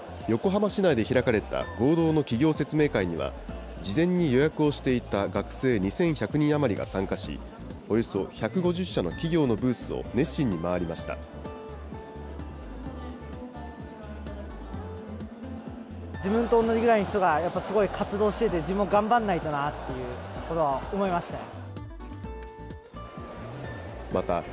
横浜市内で開かれた合同の企業説明会には、事前に予約をしていた学生２１００人余りが参加し、およそ１５０社の企業のブースを熱心に回りました。